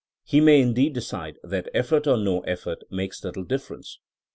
He may indeed decide that effort or no effort makes little difference.